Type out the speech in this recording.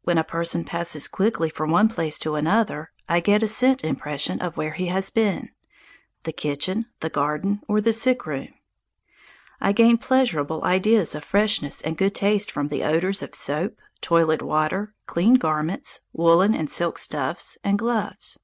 When a person passes quickly from one place to another I get a scent impression of where he has been the kitchen, the garden, or the sick room. I gain pleasurable ideas of freshness and good taste from the odours of soap, toilet water, clean garments, woollen and silk stuffs, and gloves.